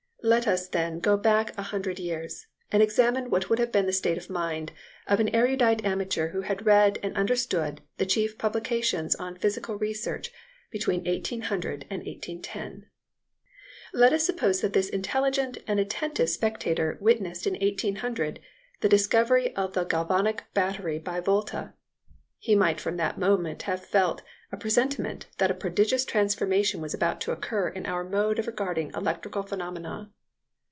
Let us, then, go back a hundred years and examine what would have been the state of mind of an erudite amateur who had read and understood the chief publications on physical research between 1800 and 1810. Let us suppose that this intelligent and attentive spectator witnessed in 1800 the discovery of the galvanic battery by Volta. He might from that moment have felt a presentiment that a prodigious transformation was about to occur in our mode of regarding electrical phenomena.